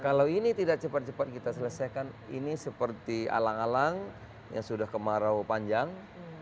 kalau ini tidak cepat cepat kita selesaikan ini seperti alang alang yang sudah kemarau panjang